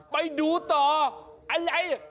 ไปดูต่ออะไร